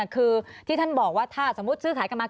คือที่ท่านบอกว่าถ้าสมมุติซื้อขายกันมา